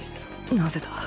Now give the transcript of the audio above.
なぜだ？